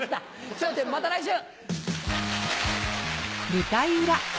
『笑点』また来週！